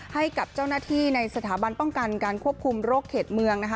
ให้กับเจ้าหน้าที่ในสถาบันป้องกันการควบคุมโรคเขตเมืองนะคะ